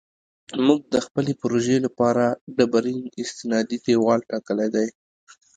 موږ د خپلې پروژې لپاره ډبرین استنادي دیوال ټاکلی دی